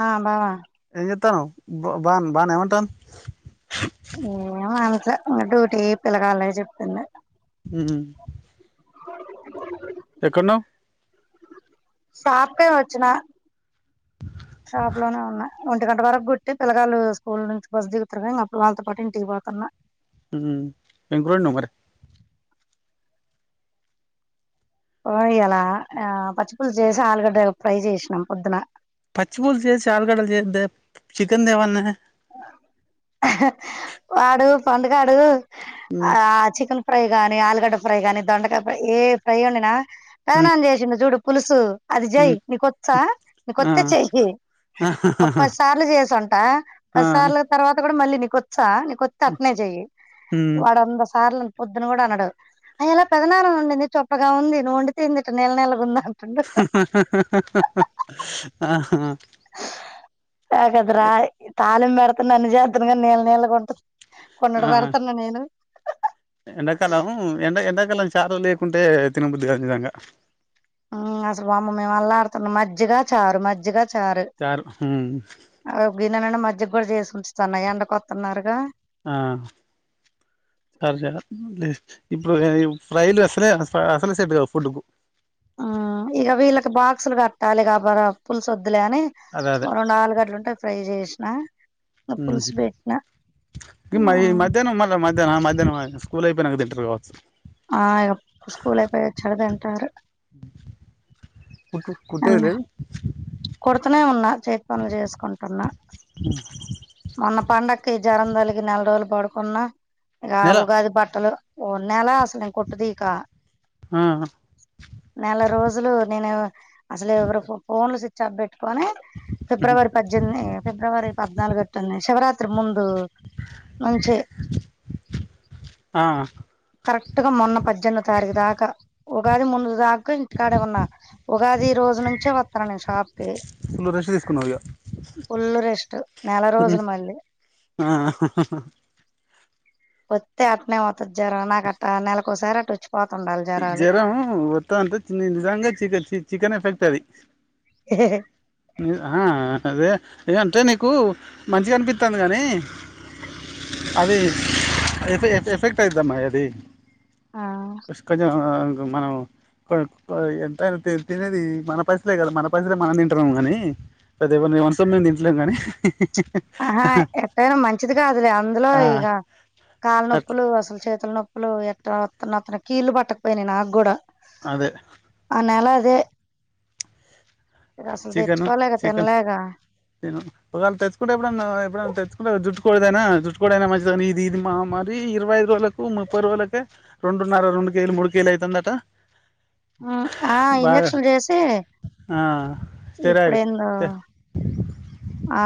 ఆ బావా బాన్ బాను ఏమంటాది ఏమీ అనట్లే ఇంకా డ్యూటీ పిల్లగాలే చెప్తుంది ఉమ్ ఎక్కడున్నవ్ షాప్క నీ వచ్చిన షాప్ లోనే ఉన్నా ఒంటి గంట వరకు కుట్టి పిల్లగాలు స్కూల్ నుంచి బస్సు దిగుతారుగా అప్పుడు వాళ్ళతో పాటు ఇంటికి పోతన్నా ఉమ్ ఏం కూర అండినవు మరి ఓ ఇయలా ఆ పచ్చి పులుసు చేసి ఆలుగడ్డ ఫ్రై చేసిన పొద్దున పచ్చి పూలు చేసి ఆలుగడ్డలు చేద్దే చికెన్ దేవాల్నే వాడు పండుగాడు ఆ చికెన్ ఫ్రై కాని ఆలుగడ్డ ఫ్రై కాని దొండకాయ ఫ్రై ఏ ఫ్రై వండిన కదనాం చేసిండు జూడు పులుసు అది జెయ్యి నీకొచ్చా, ఆ నీకొత్తే చెయ్యి. ఓ పదిసార్లు చేసుంటా. ఆ పదిసార్లు తర్వాత కూడా మళ్ళీ నీకొచ్చా నీకొత్తె అట్నే చెయ్యి వాడు వంద సార్లు పొద్దున కూడా అన్నడు. అయ్యెలా పెదనాన వొండింది చొప్పగా ఉంది. నువ్వు వండితేంది ఇట్లా నీల్లా నీల్లగుంది ఆహా నాకు అది రాదు. తాలింపు పెడుతున్నాను అన్ని చేత్తున్నా కానీ నీల నీల్లగా ఉంటది. కుండెడు ఆ పెడుతున్నా నేను. ఎండాకాలం ఎండ ఎండాకాలం చార్ లేకుంటే తినబుద్ది కాదు నిజంగా. అసలు వామ్మె మేము అల్లాడుతున్నాం. మజ్జిగా, చారు, మజ్జిగా చారు ఆ గిన్నే నిండా మజ్జిగా కూడా చేసి ఉంచుతున్నా ఎండ కొత్తున్నారుగా. ఆ చార్జరా లేదు. ఇప్పుడు ఈ ఫ్రైలు అసలే అసలు సెట్ కావు ఫుడ్ కు. ఆ ఇగ వీళ్ళకి బాక్సులు కట్టాలిగా బరా ఇగ పులుసు అద్ ద్దులే అని అదే అదే రెండు ఆలుగడ్డలు ఉంటే ఫ్రై చేసినా. ఇ మ మధ్యాహ్నం మళ్ళ మ ధ్యానం నా మధ్యానం స్కూల్ అయిపోయినంకా తింటారు కావచ్చు. ఆ స్కూల్ అయిపోయి వచ్చాక తింటారు. కు కుట్టేది అండ్ లేదు. కుడుతూనే ఉన్నా చేతి పనులు చేసుకుంటున్నా. మొన్న పండగ్కి జరంతలిగి నెల రోజులు పడుకున్న ఇగ నెల ఉగాది బట్టలు ఒ నెలా అసలు నేను కొట్టు తీయకా, ఆ నెల రోజులు నేను అసలు ఎవరు ఫో ఫోన్లు స్విచ్ ఆఫ్ పెట్టుకొని ఫిబ్రవరి పద్దెనిమిది ఫిబ్రవరి పద్నాలుగు టుంది శివరాత్రి ముందు నుంచే ఆ కరెక్ట్ గా మొన్న పద్దెనిమిది తారీఖు దాకా ఉగాది ముందు దా కా ఇంటికాడే ఉన్నా ఉగాది రోజు నుంచే వత్తన్నా నేను షాప్ కి. ఫుల్ రెస్ట్ తీసుకున్నావు ఫుల్లు రెస్ట్ నెల ఇగ రోజులు మళ్ళీ. ఆ వత్తే అట్టనే వత్తది జరం నాకు అట్టా నెలకోసారి అట్టా అచ్చి జ్వరం వత్తది అనిపిత్తుంది నిజంగా చి చికెన్ ఎఫెక్ట్ అది. హ్ ఆహా అదే ఇగా అంటే నీకు మంచిగా అనిపిత్తంది కానీ అది ఎఫె ఎఫెక్ట్ అయిదమ్మాయి అది. ఆ కొంచెం మనం కొ కొ ఎంతైనా తి తినేది మన పైసలే కదా మన పైసలే మనం తింటన్నాము కానీ పెద్ద ఎమన్నా మంది సొమ్ము ఎం తింట్లేము కానీ. ఆహా ఎట్టైనా మంచిది కాదులే అందులో ఆ ఇగ కాళ్ళ అట్ల నొప్పులు, అసలు చేతుల నొప్పులు ఎట్ అత్తనొతున్న కీళ్లు పట్టుకపోయినయి నాకు కూడా. అదే నెలదే చికెను చికెన్ నేను ఒకాల తెచ్చకుంటే ఎప్పుడన్నా ఎప్పుడన్నా తెచ్చుకుంటే జుట్టుకోడిదైనా జుట్టుకోడైనా మంచిదే కానీ. ఇది మా మరి ఇరవైఐదు రోజులకు ముప్పై రోలకే రెండున్నర రెండు కేజీలు మూడు కేెజీలు అయితుందట ఆ ఇంజక్షన్లు చేసి ఆ స్టెరాయిడ్ ఇప్పుడేందో స్టె ఆ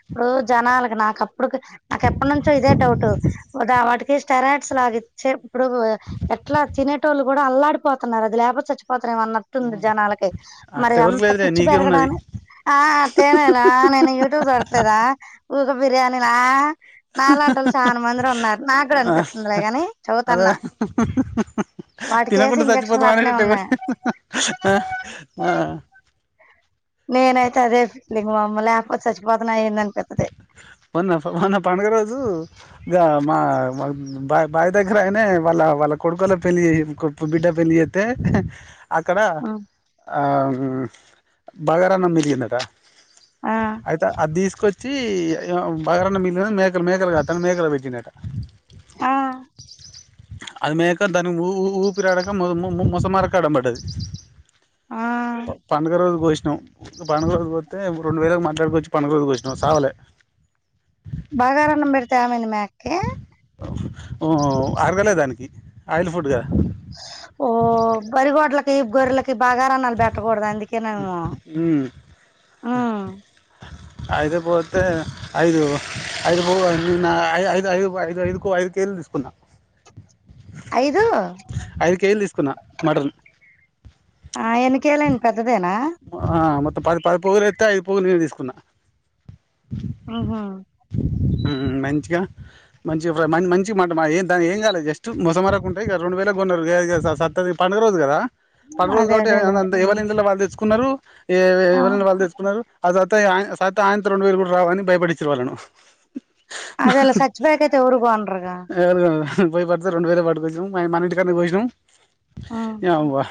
ఇప్పుడు జనాలకి నాకు ఇప్పుడు నాకెప్పటి నుంచో ఇదే డౌట్ ఉదా వాటికి స్టెరాయిడ్స్ లాగిచ్చే ఇప్పుడు ఎట్లా తినేటోళ్ళు కూడా అల్లాడిపోతున్నారు అది లేపోతే చచ్చిపో తరేమో అన్నట్టుంది జనాలకి అట్లా మరి ఎవరికి అంత లేదులే పిచ్చి నీకే ఉన్నది పెరగడానికి ఆ తేనే ఆ నేను యూట్యూబ్ చూడట్లేదా. ఒక బిర్యానీనా నాలంటోలు చాలా మందిరి ఉన్నారు. నాకు కూడా ఆ అనిపిత్తుందిలే గాని చేబుతున్నా. తినకుంటే ఇంజక్షన్లు అట్నే సచ్చిపోతమని టబల్ ఉన్నాయి ఆ ఆ నేనైతే అదే ఫీలింగు వామ్మో లేకపోతే చచ్చిపోతన ఏందని మొన్న మొన్న పండగ రోజు ఇగ మా మా బాయి దగ్గర అయిన వాళ్ళ వాళ్ళ కొడుకోల పెళ్లి చేసిండు కొ బిడక్ పెళ్లి చెతే అక్కడ ఆ బగరాన్నం మిరిగిందట ఆ అయితే అది దీస్ చీ ఏ ఏమో బగారన్నం మిగిలిందని మేకలు మేకల కాతా మేకలకు వెట్టిండట ఆ అది మేక దానికి ఊ ఊ ఊపిరడక మొ మొ మోసమరక అడంపడది ఆ ప పండగ రోజు కోసినం పండగరోజు కోతే రెండు వేలకుగా మాట్లాడుకొచ్చి పండగ రోజు కోసినా నువ్ సావులే ఏ ఊ అరగలే దానికి ఆయిల్ ఫుడ్ కద ఓ బరి గోట్లకి గొర్రలకి గి బాగారన్నాలు పెట్టకూడదు అందుకే నేము ఊ ఐదు పోతే ఐదు ఐదు బ ఐ ఐదు ఐదు ఐదు ఐదుకు ఐదుకిళ్లు తీసుకున్న ఐదు ఐదు కేజీలు తీసుకున్న మటన్ ఆ ఎనకేళను పెద్దదేనా ఆ మొత్తం పది పది పొగులు ఎతే ఐదు పొగులు నేను తీసుకున్నా ఆహ ఊ మంచిగా మంచి ప్ర మంచిగా మామాట ఏ దాని ఏం కాలేదు జస్ట్ మొసమర తక్కువుంటే ఇగ రెండు వేల కొన్నరు ఏ ఇగ సతది పండుగరోజు కదా పండు రోజు అదే కాట్టి అదేలే ఎవరి ఇండ్లల వాళ్ళు కున్నరు ఏ ఆ ఎవరింట్ల వాళ్ళు తెచుకున్నరు అది సత ఆయ సత ఆయనంత రెండు వేలు కూడా రావ అని భయపడిచ్చిన వాళ్ళను అదలా సచ్ పొయకతే ఎవరు కొనరుగా పోయి పడితే రెండు వేలే పట్టుకోచ్చినం మన ఇంటికనే కోసినాం ఉమ్ నీ యవ్వ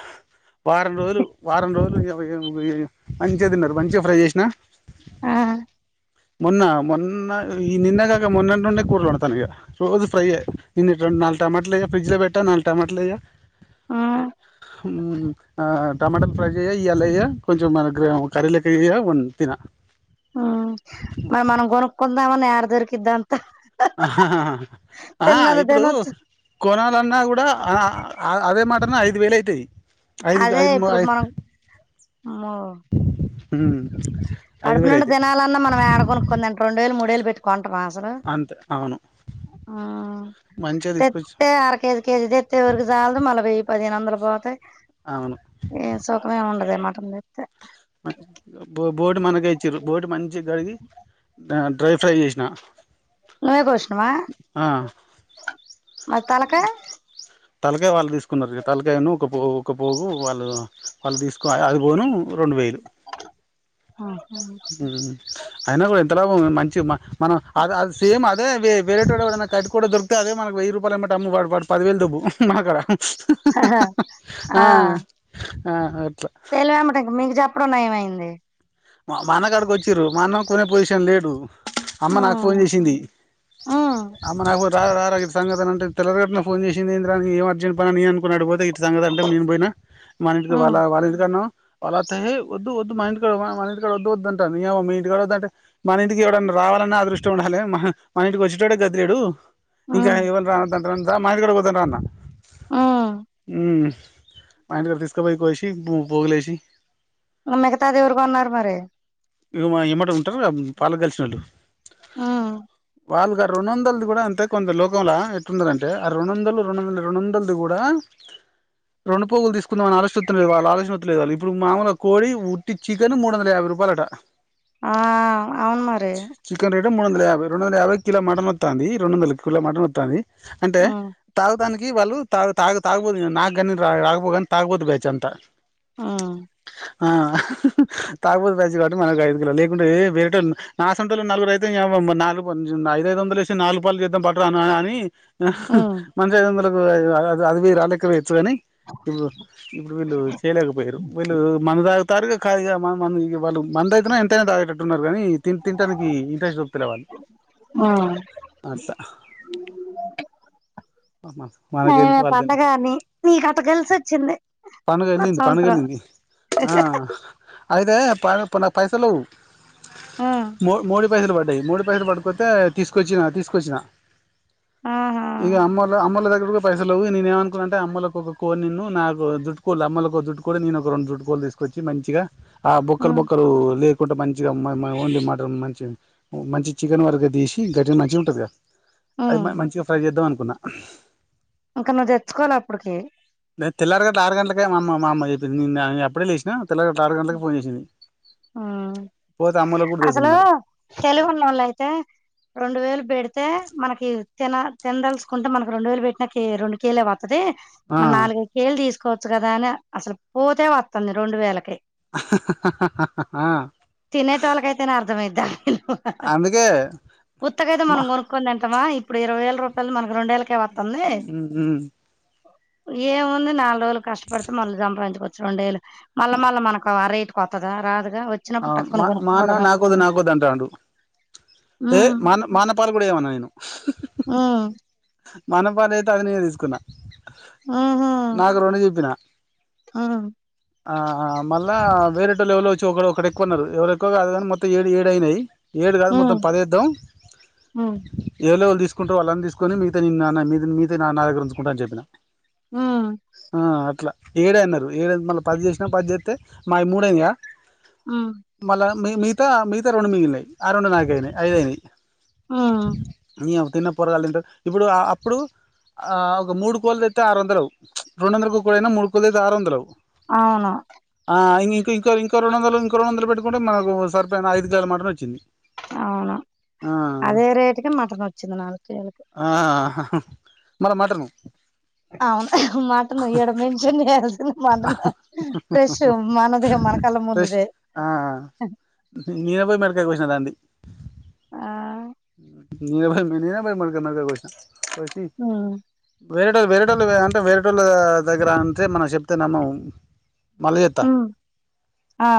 వారం రోజులు వారం రోజులు నీ యవ్వ ఏం ఇగ మంచిగ తిన్నారు మంచిగా ఫ్రై చేసినా ఆ మొన్న మొన్న ఈ నిన్నగక మొన్నె నుండే కూర్ల వండుతండ్రు ఇగ రోజు ఫ్రై ఏ నిన్నట్ నల్ టమాట లిగ ఫ్రిడ్జ్ పెట్టా నల్ టమాట ఇగ ఆ ఊ ఆ టమాటల్ ఫ్రైయెయ్ ఇయాల ఇగ కొంచం మన గ్రే కర్రీ లెక్క వండ్ తిన ఊ మరి మనం కొనుక్కుందామన ఏడ దొరికిద్దాం ఆ ఆ తిన్నది ఇప్పుడు తినొచ్చు కోన న్నా కూడా అ ఆ అదే మటన్ ఐదు వేలు అయితయి అదే ఇప్పుడు మనకు మొ ఊ కడుపు నిండ దినాలన్నా మనం ఏడ కొకునుకుందం రెండు వేలు మూడు వేలు పెట్టి కొంటమ అంతే అవును ఆ మంచిగా తీసుకొచ్చి తెత్ ఆరు కేజీ కేజీ తెత్ ఎవరికి జాలదు మల వెయ్యి పదిహేను వందలు ఇగ పోతే అవును ఏ సుఖమేమి ఉండద మటం దెత్తే బో బోటి మనకె ఇచ్చిరు బోటి మంచి కడిగి డ్రై ఫ్రై చేసిన నువ్వే కోష్ణవ ఆ మరి తలకాయ్ తలకాయ వాళ్ళు తీసుకున్నారు తలకాయ ను ఒక పో ఒక పోగు వాళ్ళు వాళ్ళు తీసుకో అది పోను రెండు వేలు ఆహా అయినా కూడా ఎంత లాభం ఇది మంచి మా మనం అ అది సేమ్ అదే వేరేటోడ్ ఎవడన్నా కట్కోడు దొరికితే అదే మన వెయి రూపాయలు ఎమ్మట్టి డమ్ము వాడు వాడు పదివేలు దొబ్బు మాకడ ఆహా ఆ ఆ అట్లా [unintelligible] మీకు చెప్పడం నయమైంది మా మా అన్న కాడికొచ్చిరు మా అన్న కొనే పొజిషన్ల లేడు అమ్మ నాకు ఉమ్ ఫోన్ చేసింది ఉమ్ అమ్మ నాకు ఫన్ రా రా సంగతంటే తెల్లరగట్లనే ఫోన్ చేసిందేందిరా ఏం అర్జెంట్ అని నేను అనుకునీ అటు పోతే ఇట్ల సంగతంటే నేను పోయినా మన ఇంటికి ఉమ్ వాళ్ళ వాళ్ళింటికాడున్నం వాళ్ళ అత్త ఎహే ఒద్దు ఒద్దు మా ఇంటికాడ ఇక్కడ వద్దు వద్దు అంటాంది నీయవ్వ మీ ఇంటికాడ వద్దంటే మన ఇంటికి ఎవడన్నా రావాలన్న అదృష్టం ఉండాలి మన మన ఇంటికొచ్చేటోడే గతిలేడు ఇంకా ఉమ్ ఎవర్ని రావద్దంటాన్నావ్ రా మా ఇంటికాడ పోద్దాం రాన్న ఉమ్ మా ఇంటికాడికి తీసుకపోయి కోసి పోగులేసి మిగతాది ఎవరు కొన్నారు మరి ఇక మా ఎమ్మటి ఉంటరుగా పాలుకలిసినోళ్ళు ఉమ్ వాళ్ళు గా రెండు వందలది కూడా అంతే కొంత లోకంలో ఎట్టున్నరంటే ఆ రెండొందలు రెండొందలు రెండొందల్దీ కూడా రెండు పోగులు తీసుకుందాం అని ఆలోచన ఒత్తలేదు వాళ్ళు ఆలోచన ఒత్తలేదు వాళ్ళకి ఇప్పుడు మామూలు కోడి ఉట్టి చికెన్ మూడువందల యాబై రూపాయలట ఆ అవును మరి చికెన్ రేటు మూడు వందల యాభై రెండు వందల యాభై కిలో మటన్ వత్తాంది రెండు వందలకి కిలో మటన్ ఒత్తాంది అంటే ఉమ్ దానికి వాళ్ళు త తా తాగపోతు నాకుగానీ నేను తాగను కాని తాగబోతు బ్యాచ్ అంత ఉమ్ ఆహ్ తాగుబోతు బ్యాచ్ మనకు ఐదు కిలోలు లేకుంటే ఏ వేరటే నా అసంటోల్లు నలుగురైతే నీయవ్వ ఐదైదొందలేసి నాలుగు పాళ్ళు చేద్దాం పట్టురా అని ఉమ్ మనిషికి ఐదొందలు అది ఆహ్ లెక్కలేయోచ్చు కాని ఇప్పుడు ఇప్పుడు వీళ్ళు చేయలేకపోయిరు వీళ్ళు మందు తా తాన్రు ఇక వాళ్ళ మ మందైతే ఎంతైనా తాగేటట్టున్నారు కానీ తి తింటానికి ఇంట్రెస్ట్ ఒత్తలే వాళ్ళు ఉమ్ అట్ల [unintelligible] పండగ ని నీకట్ట కలిసోచ్చింది పండుగ వెళ్ళింది పండుగ వెళ్ళింది ఆ అయితే ప ప పైసలు ఉమ్ మో మోడీ పైసలు పడ్డాయి మోడీ పైసలు పట్టుకొత్తే తీసుకొచ్చిన తీసుకొచ్చిన ఆహా ఇక అమ్మోల్ల దగ్గర కూ డ పైసలేవు ఇగ నేను ఏమనుకునాన్నంటే అమ్మోల్లకి ఒక కోడిని నాకు జుట్టుకోళ్ళు అమ్మోల్లకి ఒక జుట్టుకోడి నేనొక రెండు జుట్టుకోళ్ళు తీసుకొచ్చి మంచిగా ఆ బొక్కలు ఉమ్ బొక్క లేకుండా మంచిగా మా వండి మటన్ మంచి మంచి చికెన్ వరకు తీసి గట్టిగా మంచిగా ఉంటుందికా ఆహ్ ఉమ్ మ మంచిగా ఫ్రై చేద్దామనుకున్న ఇంకా నువ్వు తెచ్చుకోవాలి అప్పటికి నే తెల్లారిగట్ల ఆరు గంటలక మా అమ్మ మామ్మ చెప్పింది నేనప్పుడే లేసినా తెల్లరగట్ల ఆరు గంటలకె ఫోన్ చేసింది ఆహ్ పోతే అమ్మోళ్ళకు కూడా తెద్దును అసలు మరి తెలివున్నోళ్లు అయితే రెండువేలు పెడితే మనకు తిన తినదలుసుకుంటే మనకి రెండు వేలు పెట్టిన కే రెండు కేేలే వస్తది ఆ మరి నాలుగైదు కేజీలు తీసుకోవచ్చు కదా అని అసలు పోతే వస్తుంది రెండు వేలకి ఆహ్ ఆహా ఆహ్ తినేటోళ్లకైతేనే అర్థమైతది అందుకే ఉత్తకైతే మా మనం కొనుక్కొని తింటామా ఇప్పుడు ఇరవైవేల రూపాయలు మనకి రెండేళ్లకే వ ఉ ఏముంది నాలుగు రోజులు కష్టపడితే మళ్ళీ సంపాదించుకోవచ్చు రెండు వేలు మళ్ళా మళ్ళా మనకు ఆ రేట్ కొత్తదా రాదు అవును మా మా అన్న నాకొద్దు నాకొద్దు అంటండు ఏ ఉమ్ మాఅన్న మాఅన్న పాలు కూడా ఇయ్యమన్నా నేను ఉమ్ మా అన్న పాలయితే అది నేనే తీసుకున్నా ఉహు నాకు రొండు చెప్పిన హ్మ్ ఆ మళ్ళ వేరేటోల్లు ఎవళ్ళో వచ్చి ఒక ఒకరు ఎక్కువ అన్నారు ఎవరెక్కువ కాదు కానీ మొత్తం ఏడు ఏడయినాయి ఏడు కాదు మొత్తం హ్మ్ పదేద్దాం హ్మ్ ఏవళ వాళ్ళు తీసుకుంటారు వాళ్ళని తీసుకు కొని మిగతా నా మిగతా నా దగ్గర ఉంచుకుంట అని చెప్పిన ఉమ్ ఆ అట్లా ఏడే అన్నారు ఏడే ఏంది మళ్ళీ పది చేసినా పది చేస్తే మా మూడు అయినాయ ఉమ్ మీ మిగతా మిగతా రెండు మిగిలినయి ఆ రెండు నాకయినాయి ఐదు అయినాయి ఉమ్ తిన్న పొరగాలు తింటా ఇప్పుడు అప్పుడు ఆ ఒక మూడు కోళ్ళు తెత్తే ఆరు వందలు అవు రెండు వందలు ఒక్క కోడి అయినా మూడు కోళ్ళు తెత్తే ఆరు వందలు అవు అవును ఆ ఇం ఇంకో ఇంకో రెండుందలు ఇంకో రెండు వందలు పెట్టుకుంటే మనకు సరిపోయిన ఐదు కిలోల మట్టన్ వచ్చింది అవును ఆ అదే రేటుకి మటన్ వచ్చింది నాలుగు కేజీలు ఆ మల మటను అవును మటను ఏడ మెన్షన్ చేయాల్సింది మటను ఫ్రెష్ మనది మన కళ్ళ ఫ్రెష్ ముందుదే ఆ [unintelligible] [unintelligible] ఆ పటీ హ్మ్ వేరేటళ్ళ వేరేటోళ్ళ అంటే వేరేటళ్ళ దగ్గర అంటే మనం చెప్తే నమ్మము మళ్ళీ చెప్తా హ్మ్. ఆ